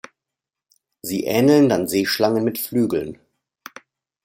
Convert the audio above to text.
Sie ähneln dann Seeschlangen mit Flügeln.